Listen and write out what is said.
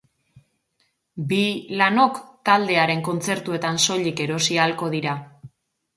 Bi lanok taldearen kontzertuetan soilik erosi ahalko dira.